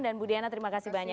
dan bu diana terima kasih banyak